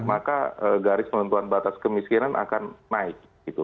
maka garis penentuan batas kemiskinan akan naik